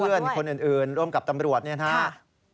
เพื่อนคนอื่นร่วมกับตำรวจเนี่ยนะครับ